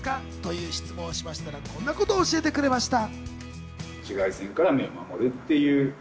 という質問をしましたら、こんなことを教えてくれました。